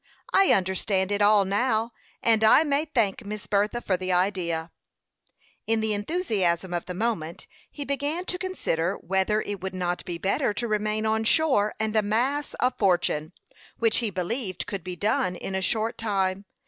"I understand it all now, and I may thank Miss Bertha for the idea." In the enthusiasm of the moment, he began to consider whether it would not be better to remain on shore and amass a fortune, which he believed could be done in a short time.